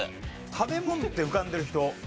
食べ物浮かんでる人。